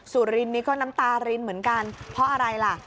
สุรินนี่ก็น้ำตารินเหมือนกันเพราะอะไรล่ะ